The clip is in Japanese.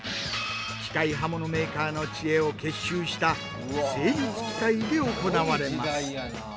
機械刃物メーカーの知恵を結集した精密機械で行われます。